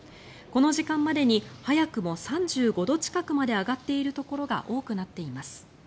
この時間までに早くも３５度近くまで上がっているところが多くなっています。